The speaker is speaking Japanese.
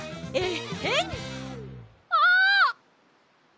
えっ？